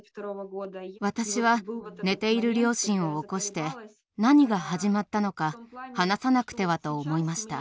私は寝ている両親を起こして何が始まったのか話さなくてはと思いました。